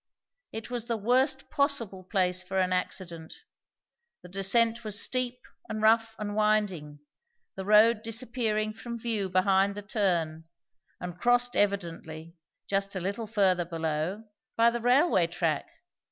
It was the worst possible place for an accident; the descent was steep and rough and winding, the road disappearing from view behind the turn; and crossed evidently, just a little further below, by the railway track.